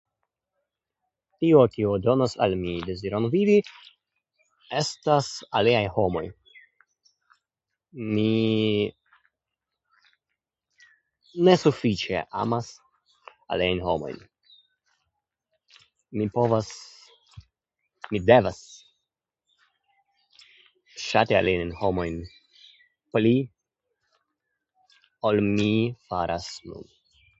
Tio, kio donas al mi deziron vivi estas aliaj homoj. Mi ne sufiĉe amas aliajn homojn. Mi povas, mi devas ŝati aliajn homojn pli ol mi faras nun.